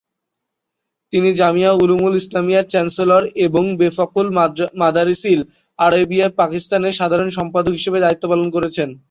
তিনি জামিয়া উলুমুল ইসলামিয়ার চ্যান্সেলর এবং বেফাকুল মাদারিসিল আরাবিয়া পাকিস্তান-এর সাধারণ সম্পাদক হিসেবে দায়িত্ব পালন করেছেন।